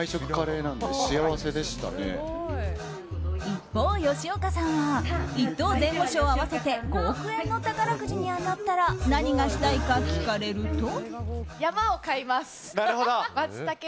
一方、吉岡さんは１等前後賞合わせて５億円の宝くじに当たったら何がしたいか聞かれると。